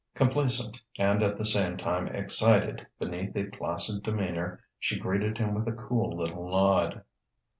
Complacent, and at the same time excited beneath a placid demeanour, she greeted him with a cool little nod.